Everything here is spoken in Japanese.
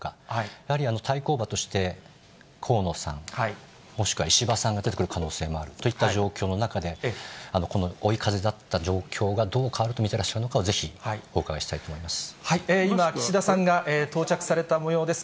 やはり対抗馬として、河野さん、もしくは石破さんが出てくる可能性もあるといった状況の中で、この追い風だった状況がどう変わると見てらっしゃるのかをぜひお今、岸田さんが到着されたもようです。